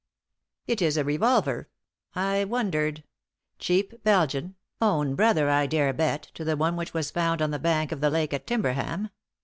"It is a revolver; I wondered. Cheap Belgian; own brother, I dare bet, to the one which was found on the bank of the lake at Timberham.